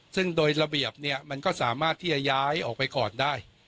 ซึ่งโดยระเบียบเนี่ยมันก็สามารถที่จะย้ายออกไปก่อนได้